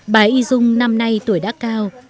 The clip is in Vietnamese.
bà y dung năm nay tuổi đã cao